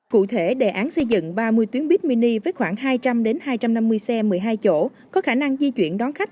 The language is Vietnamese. cụ thể đề án xây dựng ba mươi tuyến buýt mini với khoảng hai trăm linh hai trăm năm mươi xe một mươi hai chỗ có khả năng di chuyển đón khách